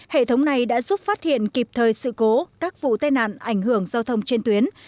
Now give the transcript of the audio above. hệ thống này đã giúp phát hiện kịp thời sự cố các vụ tai nạn ảnh hưởng giao thông trên tuyến